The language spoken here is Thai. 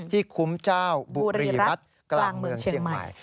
ที่คุ้มเจ้าบุรีรัฐกลางเมืองเชียงใหม่